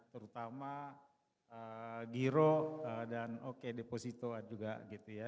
terutama giro dan oke deposito juga gitu ya